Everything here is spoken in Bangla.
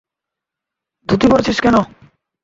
ধুতি পরেছিস কেন?